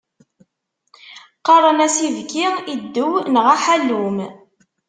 Qqaren-as ibki, iddew neɣ aḥallum.